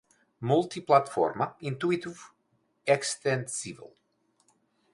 multiplataforma, intuitivo, extensível